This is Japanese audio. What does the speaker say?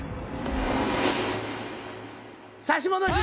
差し戻し！